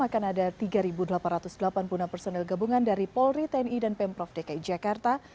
akan ada tiga delapan ratus delapan puluh enam personel gabungan dari polri tni dan pemprov dki jakarta